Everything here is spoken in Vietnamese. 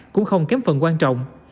cũng không kém phần quan trọng